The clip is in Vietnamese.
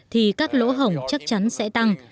thì các lỗ hổng chắc chắn sẽ tăng